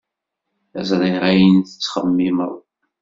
Ẓriɣ ayen ay tettxemmimeḍ.